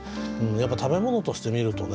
食べ物として見るとね